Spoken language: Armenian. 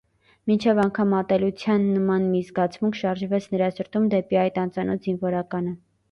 Մինչև անգամ ատելության նման մի զգացմունք շարժվեց նրա սրտում դեպի այդ անծանոթ զինվորականը: